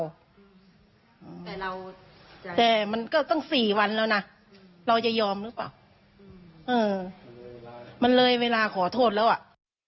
แต่มันก็ตั้ง๔วันแล้วนะเราจะยอมรึเปล่ามันเลยเวลาขอโทษแล้วอะ